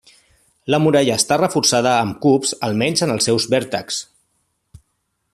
La muralla està reforçada amb cubs almenys en els seus vèrtexs.